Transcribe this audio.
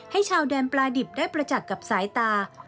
ให้ชาวแดนปลาดิบได้ประจักษ์กับสายตา